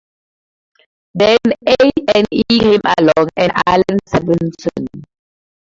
Then A and E came along, and Allen Sabinson.